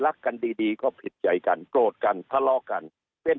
รักกันดีดีก็ผิดใจกันโกรธกันทะเลาะกันเป็น